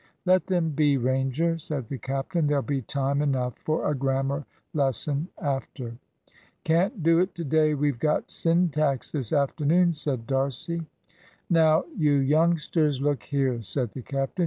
"Let them be, Ranger," said the captain. "There'll be time enough for a grammar lesson after." "Can't do it to day, we've got syntax this afternoon," said D'Arcy. "Now, you youngsters, look here," said the captain.